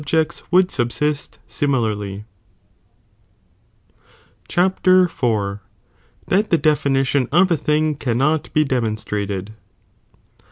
jects' would suhsist similarly.^ Chap. 1Y.— That the Definition of a lliwg cannot be dcmanitiatai.